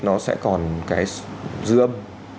nó sẽ còn cái dư âm